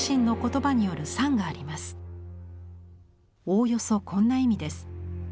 おおよそこんな意味です。